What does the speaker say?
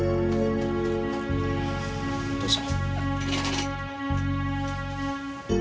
どうぞ。